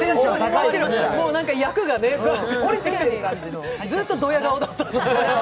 役が降りてきてるみたいで、ずっとドヤ顔だったので。